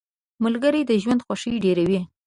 • ملګري د ژوند خوښي ډېروي.